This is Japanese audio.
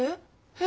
え？